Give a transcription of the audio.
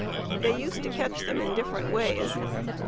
They used to catch them in different ways.